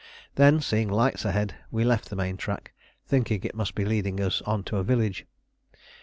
Then seeing lights ahead, we left the main track, thinking it must be leading us on to a village.